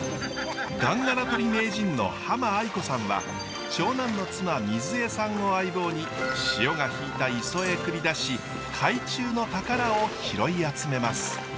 ガンガラとり名人の濱愛子さんは長男の妻瑞恵さんを相棒に潮が引いた磯へ繰り出し海中の宝を拾い集めます。